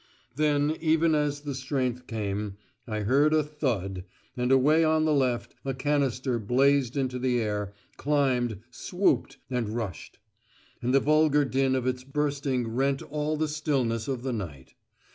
Then, even as the strength came, I heard a thud, and away on the left a canister blazed into the air, climbed, swooped, and rushed. And the vulgar din of its bursting rent all the stillness of the night.